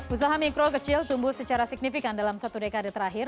usaha mikro kecil tumbuh secara signifikan dalam satu dekade terakhir